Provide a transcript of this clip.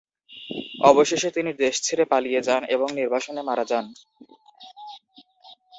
অবশেষে তিনি দেশ ছেড়ে পালিয়ে যান এবং নির্বাসনে মারা যান।